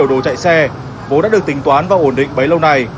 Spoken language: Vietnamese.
các biểu đồ chạy xe vốn đã được tính toán và ổn định bấy lâu này